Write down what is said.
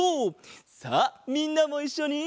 さあみんなもいっしょに！